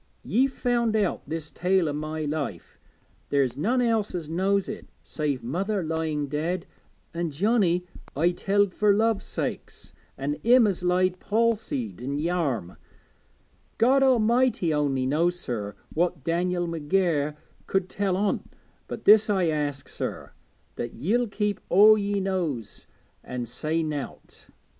Ye've found out this tale o' my life; there's none else as knows it, save mother lying dead, an' Johnnie I telled fur love's sake, an' him as lies palsied i' Yarm God A'mighty only knows, sir, what Dan'el McGair could tell on't but this I ask, sir, that ye'll keep all ye knows an' say nowt.